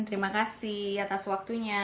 terimakasih atas waktunya